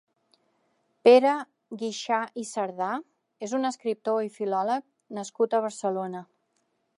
Pere Guixà i Cerdà és un escriptor i filòleg nascut a Barcelona.